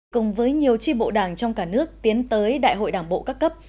cùng với nhiều tri bộ đảng trong cả nước tiến tới đại hội đảng bộ các cấp